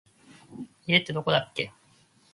家ってどこだっけ